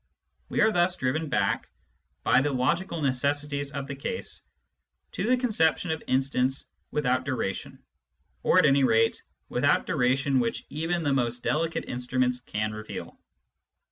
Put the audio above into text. We are thus driven back, by the logical necessities of the case, to the conception of instants without duration, or at any rate without any duration which even the most delicate instruments can reveal.